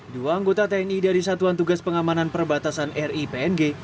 dua anggota tni dari satuan tugas pengamanan perbatasan ri png